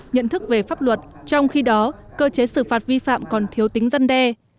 nhận thức về pháp luật trong khi đó cơ chế xử phạt vi phạm còn thiếu tính răn đe